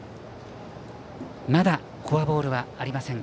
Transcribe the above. まだフォアボールはありません